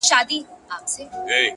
o نجاري د بيزو کار نه دئ!